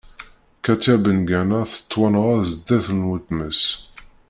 Katya Bengana tettwanɣa zdat n weltma-s.